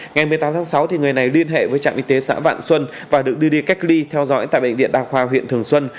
ngày một mươi tám tháng sáu người này liên hệ với trạm y tế xã vạn xuân và được đưa đi cách ly theo dõi tại bệnh viện đa khoa huyện thường xuân